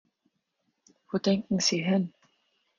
Wo denken Sie hin?